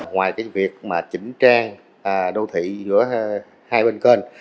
ngoài cái việc mà chỉnh trang đô thị giữa hai bên kênh